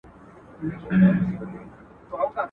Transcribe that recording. هر مشکل ته پیدا کېږي یوه لاره.